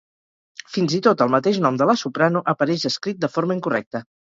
Fins i tot el mateix nom de la soprano apareix escrit de forma incorrecta.